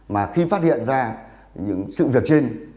mà khi phát hiện ra những sự việc trên